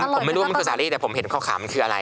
ผมไม่รู้ว่ามันคือสารีแต่ผมเห็นข้อขามันคืออะไร